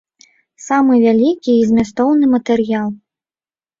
Самы вялікі і змястоўны матэрыял.